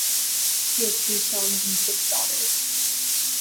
He had two sons and six daughters.